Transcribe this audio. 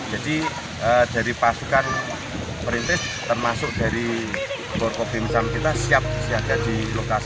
jadi dari pasukan perintis termasuk dari for populisam kita siap siap di lokasi